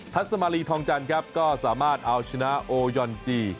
สมาลีทองจันทร์ครับก็สามารถเอาชนะโอยอนจี